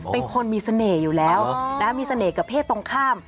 เป็นคนมีเสน่ห์อยู่แล้วมีเสน่ห์กับเพศตรงข้าม